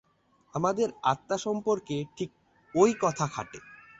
আমাদের আত্মা সম্বন্ধে ঠিক ঐ কথা খাটে।